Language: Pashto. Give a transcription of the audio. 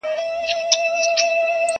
په بل اور ده څه پروا د سمندرو،